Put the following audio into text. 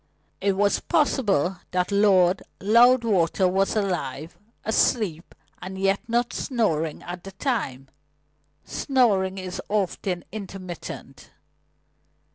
It was possible that Lord Loudwater was alive, asleep, and yet not snoring at the time. Snoring is often intermittent.